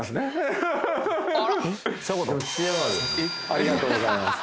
ありがとうございます